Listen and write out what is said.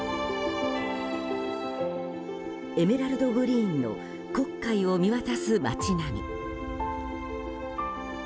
エメラルドグリーンの黒海を見渡す街並み。